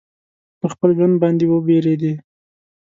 پر خپل ژوند باندي وبېرېدی.